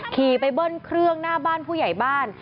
ขี่ไปเบิ้ลเครื่องหน้าบ้านผู้ใหญ่บ้าน